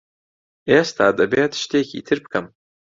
ئێستا دەبێت شتێکی تر بکەم.